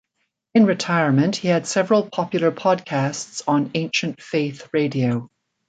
In retirement, he had several popular podcasts on Ancient Faith Radio.